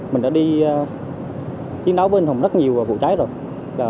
mình đã đi chiến đấu với anh hùng rất nhiều vụ cháy rồi